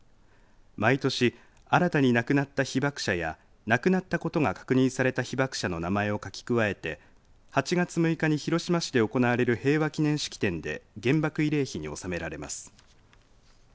毎年、新たに亡くなった被爆者や亡くなったことが確認された被爆者の名前を書き加えて８月６日に広島市で行われる平和記念式典で原爆慰霊碑に納められます。